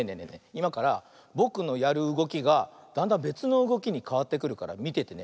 いまからぼくのやるうごきがだんだんべつのうごきにかわってくるからみててね。